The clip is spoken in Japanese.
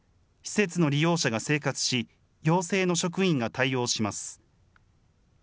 施設の利用者が生活し、陽性の職員が対応します。